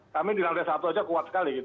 kami di lantai satu saja kuat sekali